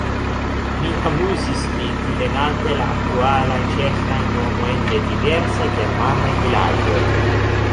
Mi amuzis min, divenante la aktualajn ĉeĥajn nomojn de diversaj germanaj vilaĝoj.